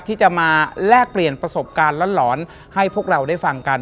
ที่จะมาแลกเปลี่ยนประสบการณ์หลอนให้พวกเราได้ฟังกัน